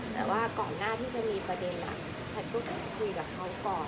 แต่ว่าก่อนหน้าที่จะมีประเด็นแพทย์ก็จะคุยกับเขาก่อน